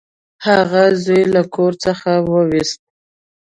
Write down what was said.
هغه زوی له کور څخه وویست.